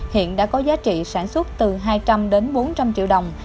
hiện đã có giá trị sản xuất từ hai trăm linh đến bốn trăm linh triệu đồng